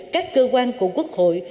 các cơ quan của quốc hội